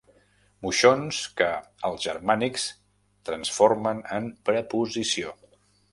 Moixons que els germànics transformen en preposició.